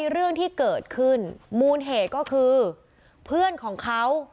เรื่องที่เกิดขึ้นมูลเหตุก็คือเพื่อนของเขา